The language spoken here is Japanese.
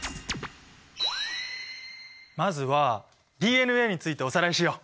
まずはＤＮＡについておさらいしよう！